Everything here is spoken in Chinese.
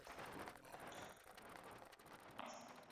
恩卡纳西翁。